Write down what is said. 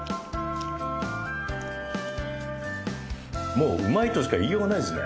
もううまいとしか言いようがないですね。